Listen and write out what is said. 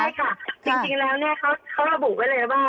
ใช่ค่ะจริงแล้วเนี่ยเขาระบุไว้เลยว่า